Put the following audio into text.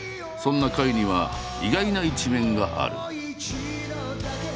そんな甲斐には意外な一面がある。